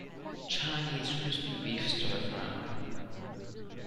Chinese crispy beef stir fry.